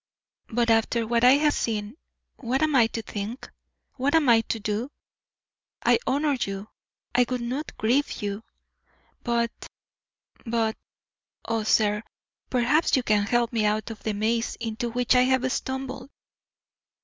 But after what I have seen, what am I to think? what am I to do? I honour you; I would not grieve you; but but oh, sir, perhaps you can help me out of the maze into which I have stumbled.